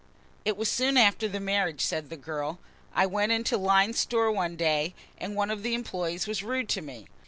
"It was soon after the marriage," said the girl. "I went into Lyne's Store one day and one of the employees was rude to me.